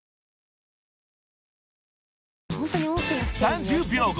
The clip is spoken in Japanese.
［３０秒後。